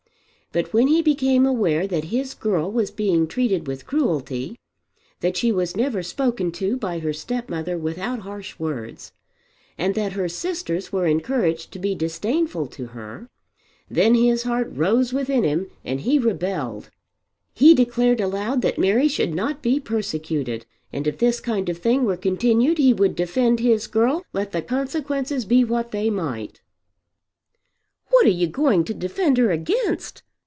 But when he became aware that his girl was being treated with cruelty, that she was never spoken to by her stepmother without harsh words, and that her sisters were encouraged to be disdainful to her, then his heart rose within him and he rebelled. He declared aloud that Mary should not be persecuted, and if this kind of thing were continued he would defend his girl let the consequences be what they might. "What are you going to defend her against?"